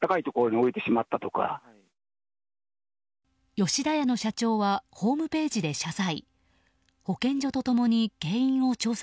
吉田屋の社長はホームページで謝罪。